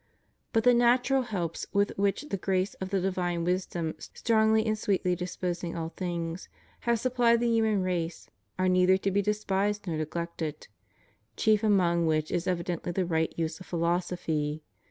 But the natural helps with which the grace of the divine wisdom, strongly and sweetly disposing all things, has supplied the human race are neither to be despised nor neglected, chief among which is evidently the right use of philosophy.